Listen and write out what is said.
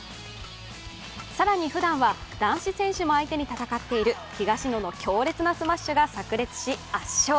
更にふだんは男子選手も相手に戦っている東野の強烈なスマッシュがさく裂し、圧勝。